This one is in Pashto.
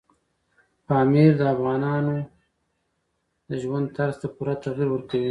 پامیر د افغانانو د ژوند طرز ته پوره تغیر ورکوي.